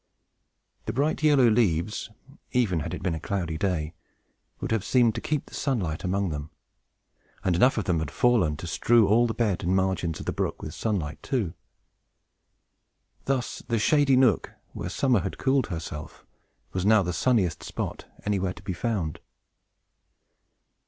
The bright yellow leaves, even had it been a cloudy day, would have seemed to keep the sunlight among them; and enough of them had fallen to strew all the bed and margin of the brook with sunlight, too. Thus the shady nook, where summer had cooled herself, was now the sunniest spot anywhere to be found.